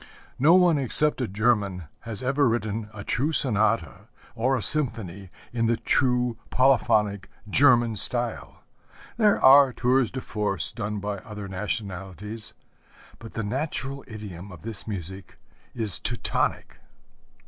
No one except a German has ever written a true sonata or a symphony, in the true polyphonic German style. There are tours de force done by other nationalities; but the natural idiom of this music is Teutonic.